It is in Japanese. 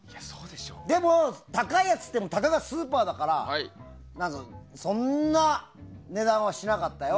でも、高いやつっていってもたかがスーパーだからそんな値段はしなかったよ。